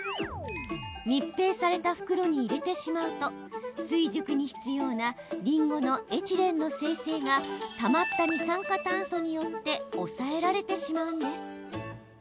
密閉された袋に入れてしまうと追熟に必要なりんごのエチレンの生成がたまった二酸化炭素によって抑えられてしまうんです。